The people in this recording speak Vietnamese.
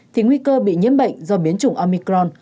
thì nguy cơ bị nhiễm bệnh do biến chủng amicron